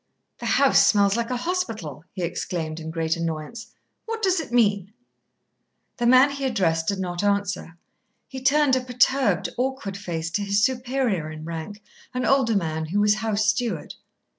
"The house smells like a hospital," he exclaimed, in great annoyance. "What does it mean?" The man he addressed did not answer. He turned a perturbed awkward face to his superior in rank, an older man, who was house steward.